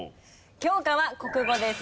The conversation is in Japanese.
教科は国語です。